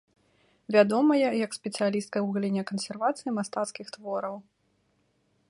Вядомая як спецыялістка ў галіне кансервацыі мастацкіх твораў.